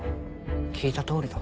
聞いたとおりだ。